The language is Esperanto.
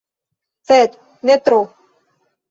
Sed ne tro.